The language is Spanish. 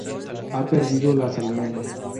Ha perdido las almenas.